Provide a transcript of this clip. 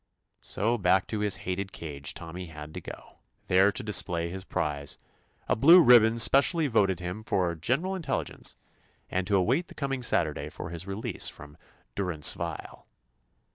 So back to his hated cage Tommy had to go, there to display his prize, — a blue ribbon specially voted him "for general intelligence," and to 133 THE ADVENTURES OF await the coming Saturday for his re lease from ''durance vile."